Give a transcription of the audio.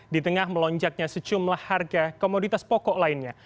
di tengah melonjaknya secumlah harga komoditas pokok lainnya